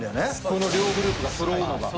この両グループがそろうのが。